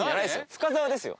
深澤ですよ。